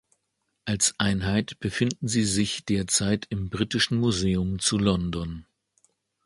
Als Einheit befinden sie sich derzeit im Britischen Museum zu London.